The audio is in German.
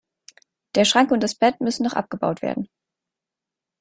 Der Schrank und das Bett müssen noch abgebaut werden.